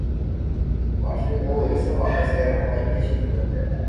معاشرے کو اس حوالے سے راہنمائی کی اشد ضرورت ہے۔